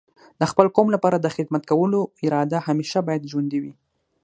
د خپل قوم لپاره د خدمت کولو اراده همیشه باید ژوندۍ وي.